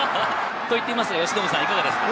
と言っていますがいかがですか？